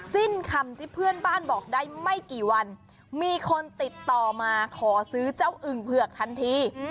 สิ้นคำที่เพื่อนบ้านบอกได้ไม่กี่วันมีคนติดต่อมาขอซื้อเจ้าอึ่งเผือกทันที